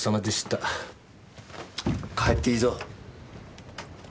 チッ帰っていいぞ。